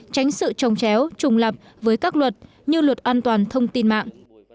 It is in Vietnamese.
tránh sự trồng chéo trùng lập với các luật như luật an toàn thông tin mạng